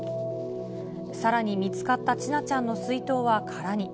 さらに見つかった千奈ちゃんの水筒は空に。